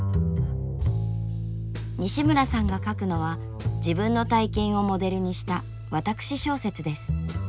西村さんが書くのは自分の体験をモデルにした私小説です。